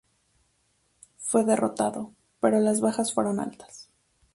Fue derrotado, pero las bajas fueron altas.